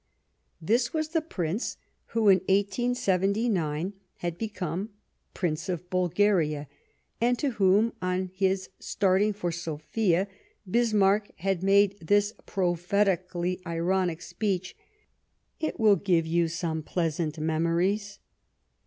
This was the Prince who, in 1879, had become Prince of Bulgaria, and to whom, on his starting for Sofia, Bismarck had made this prophetically ironic speech : "It will give you some pleasant memories."